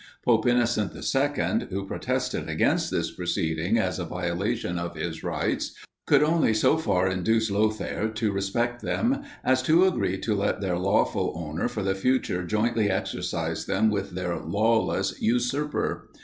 Pope Innocent II., who protested against this proceeding as a violation of his rights, could only so far induce Lothair to respect them, as to agree to let their lawful owner for the future jointly exercise them with their lawless usurper.